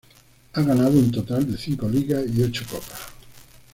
Ha ganado un total de cinco Ligas y ocho Copas.